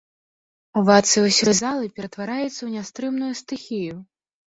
Авацыя ўсёй залы ператвараецца ў нястрымную стыхію.